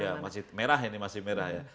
ya masih merah ini masih merah ya